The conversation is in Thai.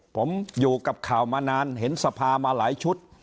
ผมอยู่กับข่าวมานานเห็นสภามาหลายชุด